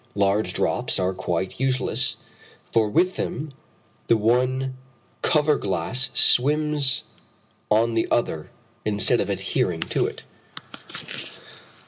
Large drops are quite useless, for with them, the one cover glass swims on the other, instead of adhering to it.